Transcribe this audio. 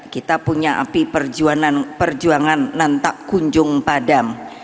kita punya api perjuangan nantak kunjung padam